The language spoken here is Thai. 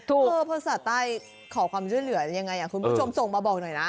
ภาษาใต้ขอความช่วยเหลือยังไงคุณผู้ชมส่งมาบอกหน่อยนะ